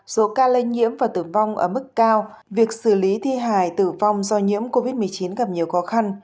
số ca lây nhiễm và tử vong ở mức cao việc xử lý thi hài tử vong do nhiễm covid một mươi chín gặp nhiều khó khăn